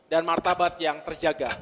dan martabat yang terjaga